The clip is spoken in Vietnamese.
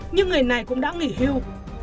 nhưng người này cũng đã nghỉ hưu